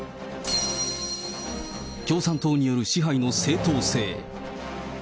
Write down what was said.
共産党による支配の正統性。